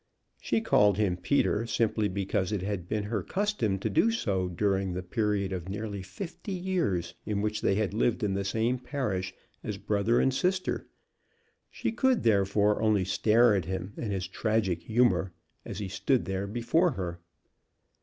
She called him Peter, simply because it had been her custom so to do during the period of nearly fifty years in which they had lived in the same parish as brother and sister. She could, therefore, only stare at him and his tragic humor, as he stood there before her.